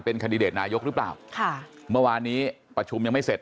คันดิเดตนายกหรือเปล่าค่ะเมื่อวานนี้ประชุมยังไม่เสร็จ